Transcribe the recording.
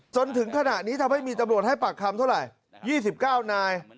จนถึงขณะนี้ทำให้มีตำรวจให้ปากคำเท่าไหร่๒๙นาย